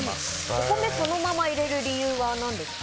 お米をそのまま入れる理由は何ですか？